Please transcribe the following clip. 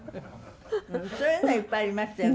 そういうのいっぱいありましたよね。